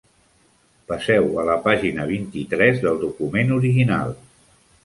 Passeu a la pàgina vint-i-tres del document original.